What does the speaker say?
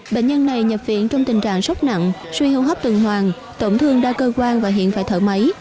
bệnh nhân này nhập viện trong tình trạng sốc nặng suy hưu hấp từng hoàng tổng thương đa cơ quan và hiện phải thở máy